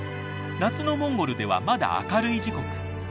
夏のモンゴルではまだ明るい時刻。